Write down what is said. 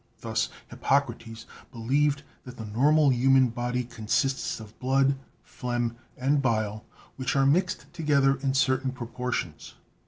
Thus, Hippocrates believed that the normal human body consists of blood, phlegm and bile, which are mixed together in certain proportions.